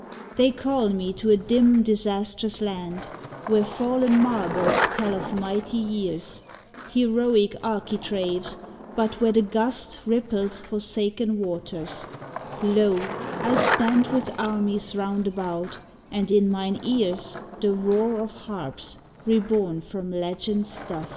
They call me to a dim, disastrous land, Where fallen marbles tell of mighty years, Heroic architraves, but where the gust Ripples forsaken waters, Lol I stand With armies round about, and in mine ears The roar of harps reborn from legend's dust.